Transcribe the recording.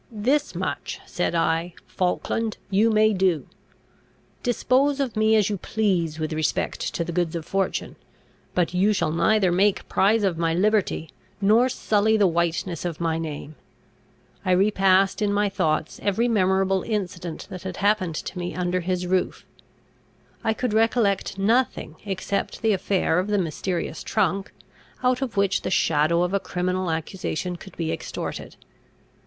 Thus much, said I, Falkland! you may do. Dispose of me as you please with respect to the goods of fortune; but you shall neither make prize of my liberty, nor sully the whiteness of my name. I repassed in my thoughts every memorable incident that had happened to me under his roof. I could recollect nothing, except the affair of the mysterious trunk, out of which the shadow of a criminal accusation could be extorted.